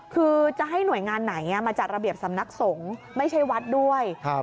คือจะให้หน่วยงานไหนมาจัดระเบียบสำนักสงฆ์ไม่ใช่วัดด้วย